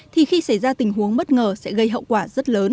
thì khi xảy ra tình huống bất ngờ sẽ gây hậu quả